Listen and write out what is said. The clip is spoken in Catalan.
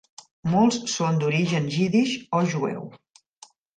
Molts són d'origen jiddisch o jueu.